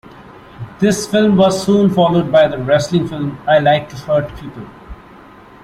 This film was soon followed by the wrestling film, "I Like to Hurt People".